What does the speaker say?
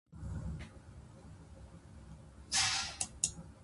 مالکان یې مبادلې ته چمتو شوي دي.